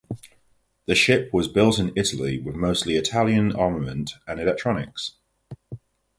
The ship was built in Italy with mostly Italian armament and electronics.